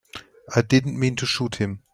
I didn't mean to shoot him.